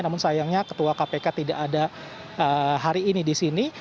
namun sayangnya ketua kpk tidak ada hari ini di sini